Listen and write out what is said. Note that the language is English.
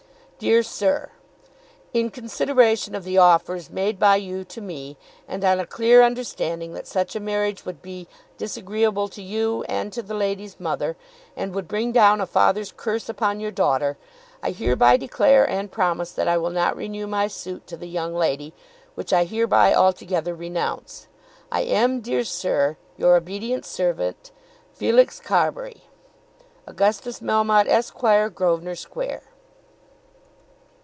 DEAR SIR, In consideration of the offers made by you to me, and on a clear understanding that such a marriage would be disagreeable to you and to the lady's mother, and would bring down a father's curse upon your daughter, I hereby declare and promise that I will not renew my suit to the young lady, which I hereby altogether renounce. I am, Dear Sir, Your obedient Servant, FELIX CARBURY. AUGUSTUS MELMOTTE, Esq., , Grosvenor Square.